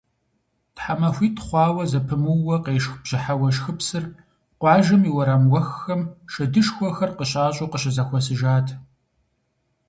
ТхьэмахуитӀ хъуауэ зэпымыууэ къешх бжьыхьэ уэшхыпсыр къуажэм и уэрам уэххэм шэдышхуэхэр къыщащӀу къыщызэхуэсыжат.